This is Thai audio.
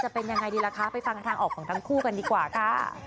ไปฟังการทางออกของทั้งคู่กันดีกว่าค่ะ